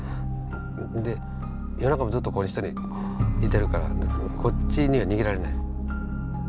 で夜中もずっとここに１人いてるからこっちには逃げられない。